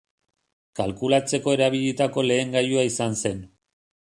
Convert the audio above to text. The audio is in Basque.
Kalkulatzeko erabilitako lehen gailua izan zen.